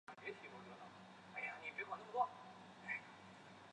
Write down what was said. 同时也担任该剧部分集数的导演和制作人。